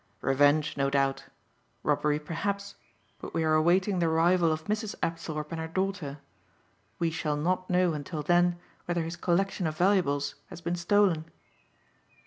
"Revenge no doubt. Robbery perhaps, but we are awaiting the arrival of Mrs. Apthorpe and her daughter. We shall not know until then whether his collection of valuables has been stolen."